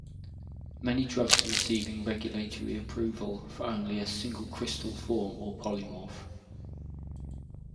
Many drugs are receiving regulatory approval for only a single crystal form or polymorph.